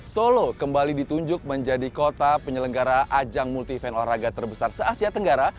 solo kembali ditunjuk menjadi kota penyelenggara ajang multi event olahraga terbesar se asia tenggara